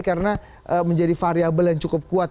karena menjadi variable yang cukup kuat